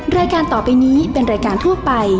รายการต่อไปนี้เป็นรายการทั่วไป